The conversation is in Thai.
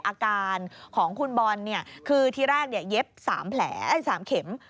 อาการของคุณบอลนี่คือที่แรกเย็บ๓แข่ม